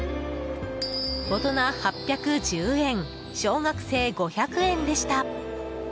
大人、８１０円小学生、５００円でした。